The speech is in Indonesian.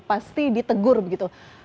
pasti ditegur begitu